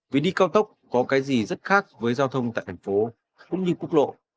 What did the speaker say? vì đi cao tốc có cái gì rất khác với giao thông tại thành phố cũng như quốc lộ